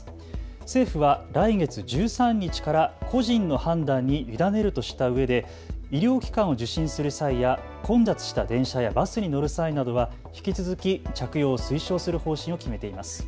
政府は来月１３日から個人の判断に委ねるとしたうえで医療機関を受診する際や混雑した電車やバスに乗る際などは引き続き着用を推奨する方針を決めています。